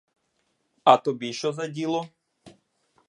А тобі що за діло?